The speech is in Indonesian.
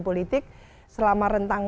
politik selama rentang